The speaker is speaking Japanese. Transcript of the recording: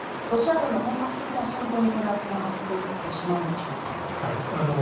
ロシア軍の本格的な侵攻につながっていってしまうんでしょうか。